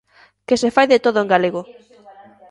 Que se fai de todo en galego.